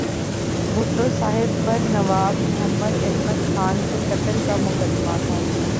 بھٹو صاحب پر نواب محمد احمد خان کے قتل کا مقدمہ تھا۔